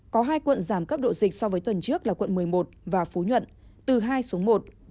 có hai quận giảm cấp độ dịch so với tuần trước là quận một mươi một và phú nhuận từ hai xuống một